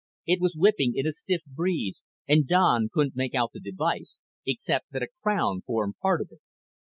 It was whipping in a stiff breeze and Don couldn't make out the device, except that a crown formed part of it.